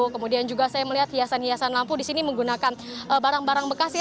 kemudian juga saya melihat hiasan hiasan lampu di sini menggunakan barang barang bekasi